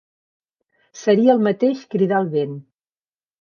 Seria el mateix cridar el vent.